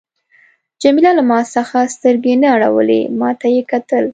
جميله له ما څخه سترګې نه اړولې، ما ته یې کتل.